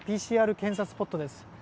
ＰＣＲ検査スポットです。